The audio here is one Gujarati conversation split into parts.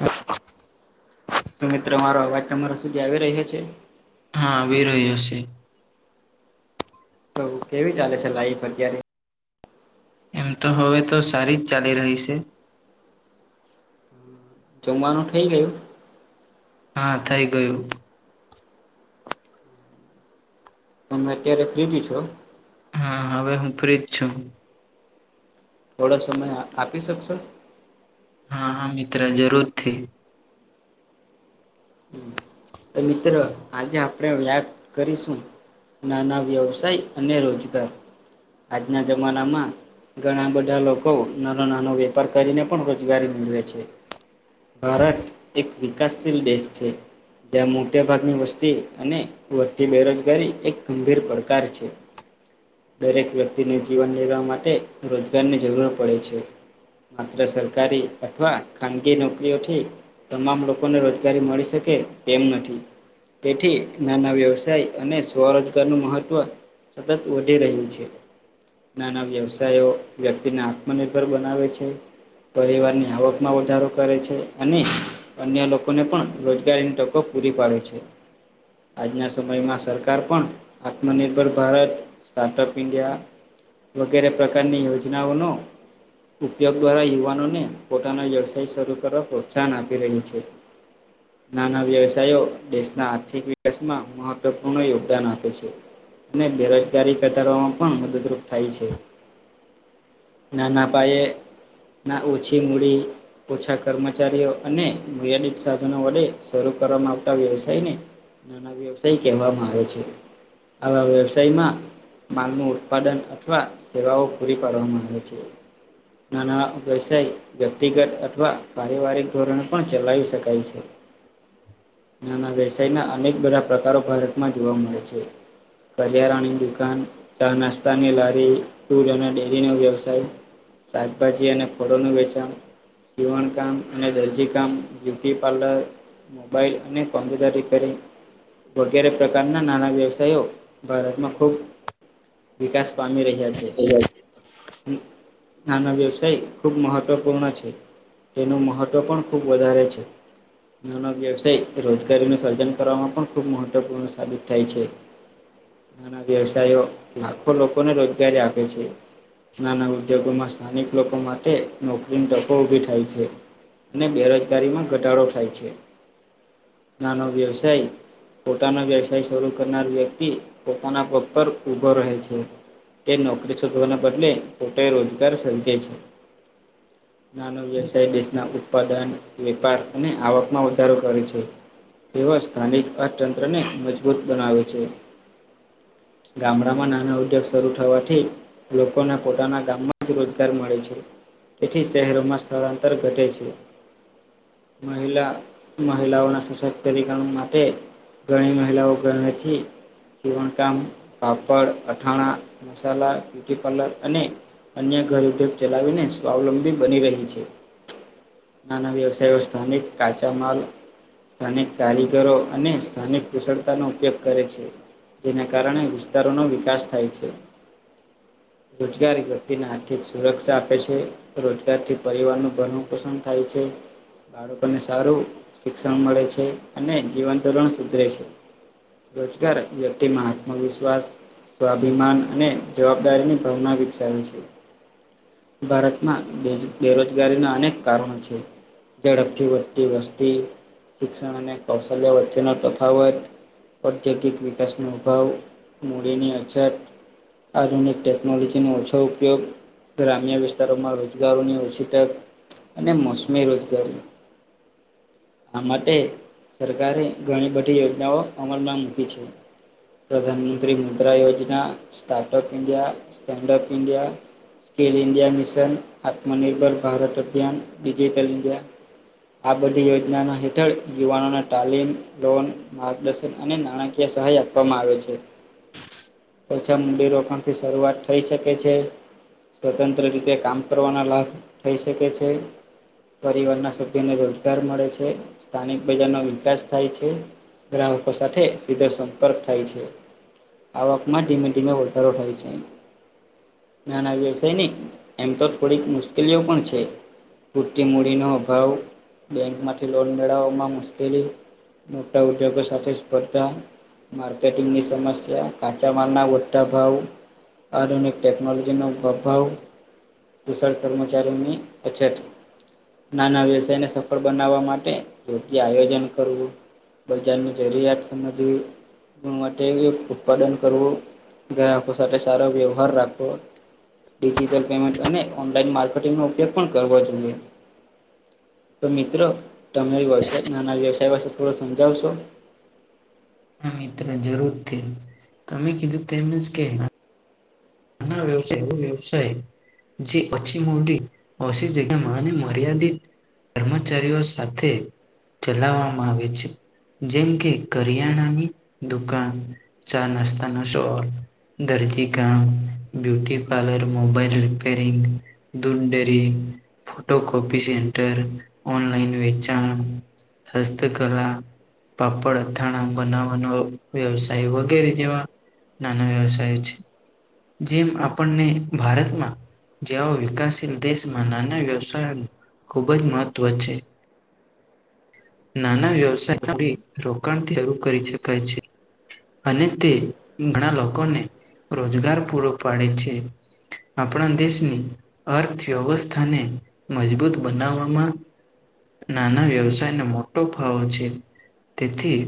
હ તો મિત્ર મારો અવાજ તમારા સુધી આવી રહ્યો છે. હા આવી રહ્યો છે. તો કેવી ચાલે છે લાઈફ અત્યારે એમ તો હવે તો સારી જ ચાલી રહી છે. જમવાનું થઇ ગયું? હા થઈ ગયું. તમે અત્યારે ફ્રી છો? હા હવે હું ફ્રી જ છું. થોડો સમય આપી શકશો. હા હા મિત્ર જરૂરથી તો મિત્રો આજે આપણે યાદ કરીશું નાના વ્યવસાય અને રોજગાર આજના જમાનામાં ઘણા બધા લોકો નાનો નાનો વેપાર કરીને પણ રોજગારી મેળવે છે. ભારત એક વિકાસશીલ દેશ છે. જ્યાં મોટા ભાગની વસ્તી અને વધતી બેરોજગારી એક ગંભીર પડકાર છે. દરેક વ્યક્તિને જીવન જીવવા માટે રોજગારની જરૂર પડે છે. માત્ર સરકારી અથવા ખાનગી નોકરીઓથી તમામ લોકોને રોજગારી મળી. શકે તેમ નથી. તેથી નાના વ્યવસાય અને સ્વરોજગાર નું મહત્વ સતત વધી રહ્યું છે. નાના વ્યવસાયો વ્યક્તિને આત્મનિર્ભર બનાવે છે. પરિવારની આવકમાં વધારો કરે છે અને અન્ય લોકોને પણ રોજ ગારીની તકો પૂરી પાડે છે. આજના સમયમાં સરકાર પણ આત્મનિર્ભર ભારત સ્ટાર્ટઅપ ઇન્ડિયા વગેરે પ્રકારની યોજનાઓનો ઉપયોગ દ્વારા યુવાનોને પોતાનો વ્યવસાય શરૂ કરવા પ્રોત્સાહન આપી રહી છે. નાના વ્યવસાયો દેશના આર્થિક વિકાસમાં મહત્વપૂર્ણ યોગદાન આપે છે. અને બેરોજગારી ઘટાડવવામાં પણ મદદરૂપ થાય છે. ના ના પાયે ના ઓછી મૂડી ઓછા કર્મચારીઓ અને મર્યાદિત સાધનો વડે શરૂ કરવામાં આવતા વ્યવસાયને નાના વ્યવસાય કહેવામાં આવે છે. આવા વ્યવસાયમાં માલનું ઉત્પાદન અથવા સેવાઓ પૂરી પાડવામાં આવે છે. નાના વેવસાય વ્યક્તિગત અથવા પારિવારિક ધોરણે પણ ચલાવી શકાય છે. નાના વ્યસાયના અનેક બધા પ્રકારો ભારતમાં જોવા મળે છે. કરિયાારાની દુકાન ચા નાસ્તાની લારી ટૂલ અને ડેરીનો વ્યવસાય શાકભાજી અને ફળોનું વેચાણ સીવણકામ અને દરજીકામ બ્યુટી પાર્લર મોબાઈલ અને કોમ્પ્યુટર રિપેરિંગ વગેરે પ્રકારના નાના વ્યવસાયો ભારતમાં ખુબ વિકાસ પામી રહ્યા ગયા છે [inaudible] હમ્મ. નાના વ્યવસાય ખૂબ મહત્ત્વપૂર્ણ છે. તેનું મહત્ત્વ પણ ખૂબ વધારે છે. નાનો વ્યવસાય રોજગારીનું સર્જન કરવામાં પણ ખૂબ મહત્ત્વપૂર્ણ સાબિત થાય છે. નાના વ્યવસાયો લાખો લોકોને રોજગારી આપે છે. નાના ઉદ્યોગોમાં સ્થાનિક લોકો માટે નોકરીની તકો ઊભી થાય છે. અને બેરોજગારીમાં ઘટાડો થાય છે. નાનો વેવસાય- પોતાનો વ્યવસાય શરૂ કરનાર વ્યક્તિ પોતાના પગ પર ઉભો રહે છે. તે નોકરી શોધવાના બદલે પોતે રોજગાર સર્જે છે. નાનો વ્યવસાય દેશના ઉત્પાદન વેપાર અને આવકમાં વધારો કરે છે તેવા સ્થાનિક અર્થતંત્રને મજબૂત બનાવે છે ગામડામાં નાના ઉદ્યોગ શરૂ થવાથી લોકોને પોતાના ગામમાં જ રોજગાર મળે છે તેથી શહેરોમાં સ્થળાંતર ઘટેે છે મહિલા મહિલાઓના સશક્તિકરણ માટે ઘણી મહિલાઓ ઘરેથી સીવણકામ પાપડ અથાણા મસાલા બ્યુટી પાર્લર અને અન્ય ઘર ઉદ્યોગ ચલાવીને સ્વાવલંબી બની રહી છે. નાના વ્યવસાય વ્યવસ્થાને કાચા માલ સ્થાનિક કારીગરો અને સ્થાનિક કુશળતાનો ઉપયોગ કરે છે. જેના કારણે વિસ્તારોનો વિકાસ થાય છે. રોજગારી વ્યક્તિને આર્થિક સુરક્ષા આપે છે. રોજગાર થી પરિવાર નું ઘણું પસંદ થાય છે. બાળકોને સારું શિક્ષણ મળે છે અને જીવન ધોરણ સુધરે છે. રોજગાર વ્યક્તિમાં આત્મવિશ્વાસ સ્વાભિમાન અને જવાબદારીની ભાવના વિકસાવી છે. ભારતમાં બેરોજગારીના અનેક કારણો છે. ઝડપથી વધતી વસ્તી શિક્ષણ અને કૌશલ્ય વચ્ચેનો તફાવત ઔદ્યોગિક વિકાસનો અભાવ મૂડીની અછત આધુનિક ટેકનોલોજીનો ઓછો ઉપયોગ ગ્રામ્ય વિસ્તારોમાં રોજગારોની ઓછી તક અને મોસમી રોજગારી આ માટે સરકારે ઘણી બધી યોજનાઓ અમલમાં મૂકી છે પ્રધાનમંત્રી Mudra Yojana startup India standup India skill India mission Atmanirbhar Bharat અભિયાન ડિજિટલ ઇન્ડિયા આ બધી યોજનાના હેઠળ યુવાનોને તાલીમ લોન માર્ગદર્શન અને નાણાકીય સહાય આપવામાં આવેલ છે ઓછા મુંડીરોકાણ થી શરૂઆત થઈ શકે છે સ્વતંત્ર રીતે કામ કરવાના લાભ થઈ શકે છે પરિવારના સભ્યને રોજગાર મળે છે સ્થાનિક બજારનો વિકાસ થાય છે ગ્રાહકો સાથે સીધો સંપર્ક થાય છે આવકમાં ધીમે ધીમે વધારો થાય છે નાના વ્યવસાય નની એમ તો થોડીક મુશ્કેલીઓ પણ છે પૂરતી મૂડીનો અભાવ બેંકમાંથી લોન મેળવવામાં મુશ્કેલી મોટા ઉદ્યોગ સાથે સ્પર્ધા માર્કેટિંગની સમસ્યા કાચા માલના મોટા ભાવ આધુનિક ટટેકનોલોજીનો અભાવ શળ કર્મચારીઓની અછત નાના વ્યવસાયને સફળ બનાવવા માટે યોગ્ય આયોજન કરવું બજારની જરૂરિયાત સમજવી માટે ઉત્પાદન કરવું ગ્રાહકો સાથે સારો વ્યવહાર રાખવો ડિજિટલ પેમેન્ટ અને ઓનલાઈન માર્કેટંગનો ઉપયોગ પણ કરવો જોઈએ તો મિત્રો તમે વ્યવાય નાના વ્યવસાય પાસે થોડો સમજાવશો હ મિત્ર જરૂર થી તમે કીધું તેમને જ કે ના ના ના વ્યવસાય એવ વ્યવસાય જેછી મોડી [unintelligible] માને મર્યાદિત કર્મચારીઓ સાથે ચલાવવામાં આવે છે જેમ કે કરિયાણાની દુકાન ચા નાસ્તાના સોર ધરતી કામ બ્યુટી પાર્લર મોબાઈલ રિપેરિંગ દૂધ dairy photo copy centre online વેચાણ હસ્તકલા પાપડ અથાણા બનાવવાનો વ્યવસાય વગેરે જેવા નાના વ્યવસાય છે જેમ આપણને ભારતમાં જેવો વિકાસશીલ દેશમાં નાના વ્યવસાયનું ખૂબ જ મહત્વ છે નાના વ્યવસાય રોકાણ શરૂુ કરી શકાય છે અને તે ઘણા લોકોને રોજગાર પૂરો પાડે છે આપણા દેશની અર્થવ્યવસ્થાને મજબૂત બનાવવામાં નાના વ્યવસાયને મોટો ભાવો છે તેથી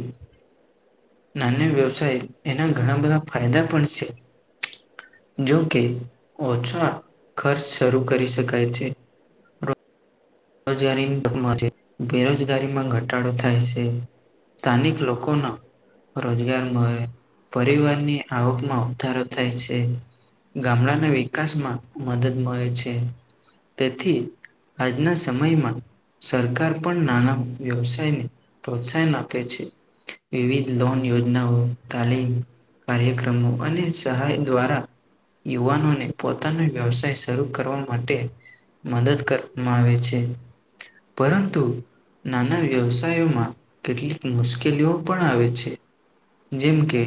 નાના વ્યવસાય એના ઘણા બધા ફાયદા પણ છે જોકે ઓછા ખર્ચ શરૂ કરી શકાય છે. જગારી બેરોજગારીમાં ઘટાડો થાય છે. સ્થાનિક લોકોના- રોજગાર મળે પરિવારની આવકમાં વધારો થાય છે. ગામડાના વિકાસમાં મદદ મળે છે તેથી આજના- સમયમાં સરકાર પણ નાના વ્યવસાયને પ્રોત્સાહન આપે છે. વિવિધ લોન યોજનાઓ તાલીમ- કાર્યક્રમો અને સહાય દ્વારા- યુવાનોને પોતાનો વ્યવસાય શરૂ કરવા માટે મદદ કરવામાં આવે છે. પરંતુ- નાના વ્યવસાયોમાં કેટલીક મુશ્કેલીઓ પણ આવે છે. જેમ કે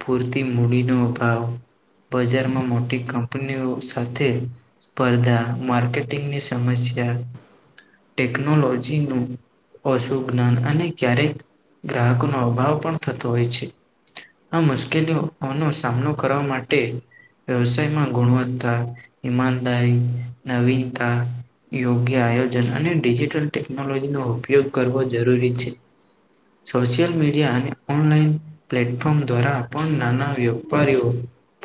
પૂરતી મૂડીનો ભાવ- બજારમાં મોટી કંપનીઓ સાથે- સ્પર્ધા માર્કેટિંગની સમસ્યા- ટેકનોલોજીનું- અશુભ જ્ઞાન અને ક્યારેક ગ્રાહકોનો અભાવ પણ થતો હોય છે. આ મુશ્કેલીઓનોો સામનો કરવા માટે- વ્યવસાયમાં ગુણવત્તા ઈમાનદારી નવીનતા- યોગ્ય આયોજન અને ડિજિટલ ટેકનોલોજીનો ઉપયોગ કરવો જરૂરી છે. સોશિયલ મીડિયા અને ઓનલાઈન- પ્લેટફોર્મ દ્વારા પણ નાના વેપારીઓ-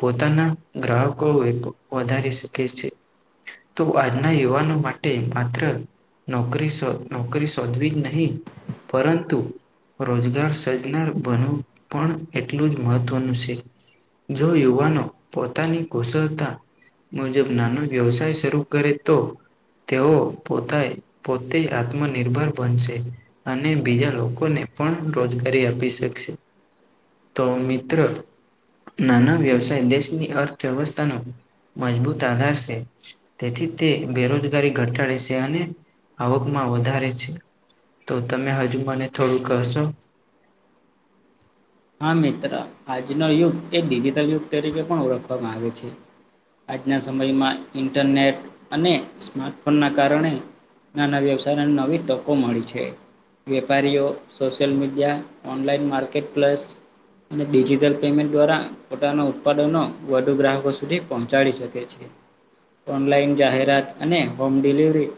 પોતાના ગ્રાહકો વધારી શકે છે. તો આજના યુવાનો માટે માત્ર- નોકરી નોકરી શોધવી જ નહી પરંતુ- રોજગાર સર્જનાર બનવ પણ એટલું જ મહત્વનું છે. જો યુવાનો પોતાની કુશળતા- મુજબ નાનો વ્યવસાય શરૂ કરે તો તેઓ- પોતા પોતે આત્મનિર્ભર બનશે- અને બીજા લોકોને પણ રોજગારી આપી શકશે- તો મિત્ર- નાના વ્યવસાય દેશની અર્થવ્યવસ્થાનો મજબૂત આધાર છે. તેથી તે બેરોજગારી ઘટાડે છે. અને આવકમાં વધારે છે તો તમે હજુ મને થોડું કશો? હા મિત્ર આજનો યુગ એક ડિજિટલ યુગ તરીકે પણ ઓળખવામાં આવે છે. આજના સમયમાં ઇન્ટરનેટ અને સ્માર્ટફોનના કારણે- નાના વ્યવસાયને નવી તકો મળી છે. વેપારીઓ social media online market plus- અને ડિજિટલ પેમેન્ટ દ્વારા પોતાના ઉત્પાદનો વધુ ગ્રાહકો સુધી પહોંચાડી શકે- ઓનલાઈન જાહેરાત અને હોમ ડિલિવરી-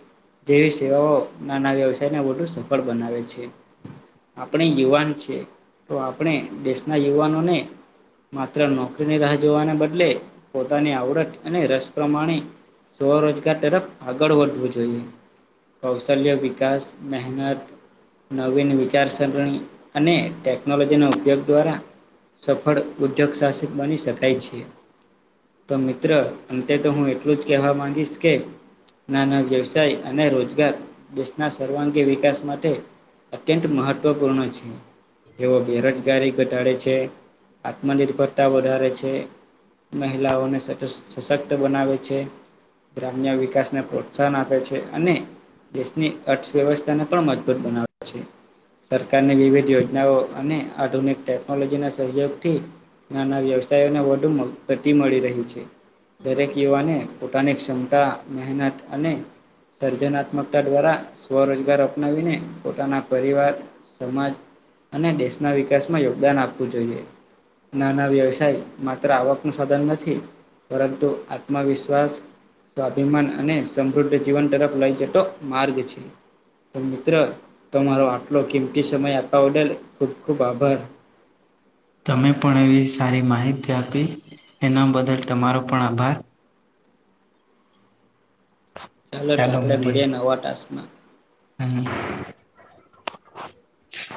જેવી સેવાઓ નાના વ્યવસાયને વધુ સફળ બનાવે છે. આપણે યુવાન છે તો આપણે દેશના યુવાનોને- માત્ર નોકરીની રાહ જોવાને બદલે પોતાની આવડત અને રસ પ્રમાણે- સ્વરોજગાર તરફ આગળ વધવું જોઈએ. કૌશલ્ય વિકાસ મેહેનત- નવીન વિચારસરણી અને ટેકનોલોજી- તેનો ઉપયોગ દ્વારા સફળ ઉદ્યોગ સાસિત બની શકાય છે. તો મિત્ર અંતે તો હું એટલું જ કહેવા માંગીશ કે- નાના વ્યવસાય અને રોજગાર દેશના સર્વાંગી વિકાસ માટે- અત્યંત મહત્ત્વપૂર્ણ છે. તેઓ બેરોજગારી ઘટાડે છે આત્મનિર્ભરતા વધારે છે. મહિલાઓને સટશ સશક્ ત બનાવે છે, ગ્રામ્ય વિકાસને પ્રોત્સાહન આપે છે અને દેશની અર્થવ્યવસ્થાને પણ મજબૂત બનાવે છે. સરકારની વિવિધ યોજનાઓ અને આધુનિક ટેકનોલોજી ના સહયોગ થી નાના વ્યવસાયોને વધુ મ ગતિ મળી રહી છે. દરેક યુવાને પોતાની ક્ષમતા, મેહનત અને સર્જનાત્મકતા દ્વારા સ્વરોજગાર અપનાવીને પોતાના પરિવાર, સમાજ અને દેશના વિકાસમાં યોગદાન આપવું જોઈએ. નાના વ્યવસાય માત્ર આવક નું સાધન નથી. પરંતુ આત્મવિશ્વાસ સ્વાભિમાન અને સમૃદ્ધ જીવન તરફ લઈ જતો માર્ગ છે. તો મિત્ર તમારો આટલો કિંમતી સમય આપવા બદલ ખુબ ખુબ આભાર. તમે પણ એવી સારી માહિતી આપી, એના બદલ તમારો પણ આભાર.. ચાલો તો આપણે મળીએ નવા ટાસ્કમાં. હમ્મ.